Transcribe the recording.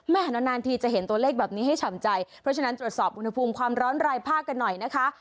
นานนานทีจะเห็นตัวเลขแบบนี้ให้ฉ่ำใจเพราะฉะนั้นตรวจสอบอุณหภูมิความร้อนรายภาคกันหน่อยนะคะ